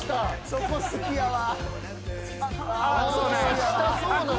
そこ好きやわ。